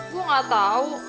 gue gak tau